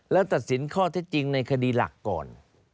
แล้วตัดสินข้อเท็จจริงในคดีหลักก่อน